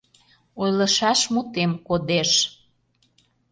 Ойлышаш мутем кодеш.